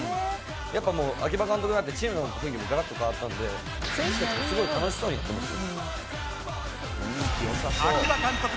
やっぱ秋葉監督になってチームの雰囲気もガラッと変わったので選手たちもすごい楽しそうにやってますよ。